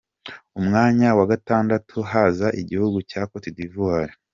Umwanya wa gatandatu haza igihugu cya Cote d’Ivoire.